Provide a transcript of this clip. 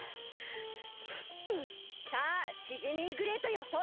さあシジミーグレイトよ！